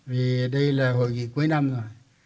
vì đây là hội nghị cuối năm rồi